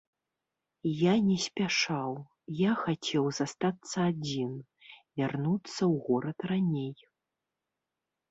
Я не спяшаў, я хацеў застацца адзін, вярнуцца ў горад раней.